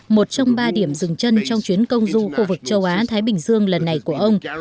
một trong ba điểm dừng chân trong chuyến công du khu vực châu á thái bình dương lần này của ông